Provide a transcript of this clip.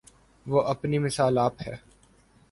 وہ اپنی مثال آپ ہے۔